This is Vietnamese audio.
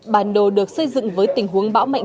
bản đồ được xây dựng với tình huống mạnh